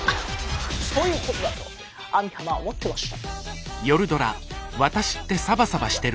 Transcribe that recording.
そういうことだと網浜思ってました。